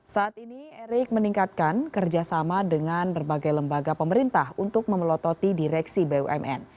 saat ini erik meningkatkan kerjasama dengan berbagai lembaga pemerintah untuk memelototi direksi bumn